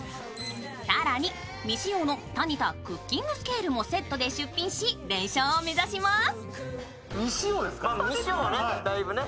更に未使用のタニタクッキングスケールもセットで出品し、連勝を目指します